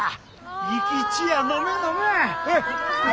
生き血や飲め飲め！